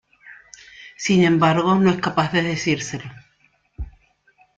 Sin embargo, no es capaz de decírselo.